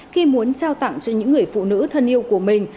khi muốn trao tặng cho những người phụ nữ thân yêu của mình